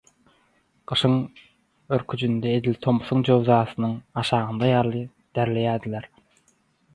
Gyşyň örküjinde edil tomusyň jöwzasnyň aşagynda ýaly derleýärdiler.